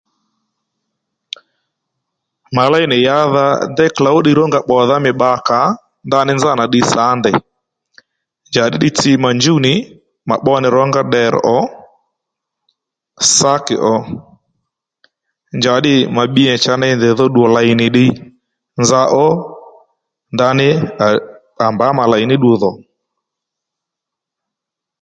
Mà ley nì yǎdha déy klǒw ddiy rónga bbòdha mî bbakà ó ndaní nzánà ddiy sǎ ndèy njàddí ddiy tsi mà njúw nì mà bbò nì rǒnga ddèrr̀ ò sákì ò njaddî mà bbi nì cha ndèy dho ddù lèy nì ddiy nza ó ndaní à mbǎ mà lèy ní ddu dhò